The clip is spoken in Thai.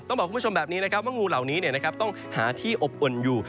บอกคุณผู้ชมแบบนี้นะครับว่างูเหล่านี้ต้องหาที่อบอุ่นอยู่